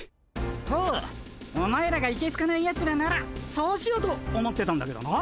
とお前らがいけすかないやつらならそうしようと思ってたんだけどな。